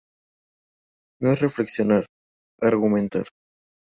No es reflexionar, argumentar.